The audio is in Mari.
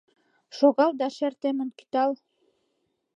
Шогал да шер темын кӱтал!